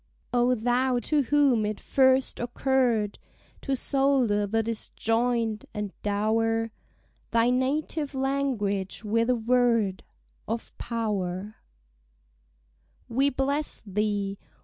O thou to whom it first occurr'd To solder the disjoin'd, and dower Thy native language with a word Of power: We bless thee!